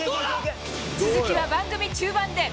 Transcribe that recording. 続きは番組中盤で。